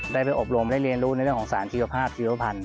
ได้ไปอบรมได้เรียนรู้ในเรื่องของสารชีวภาพชีวพันธ